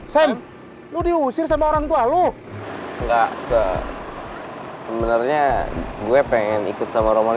saya lu diusir sama orang tua lu enggak sebenarnya gue pengen ikut sama roman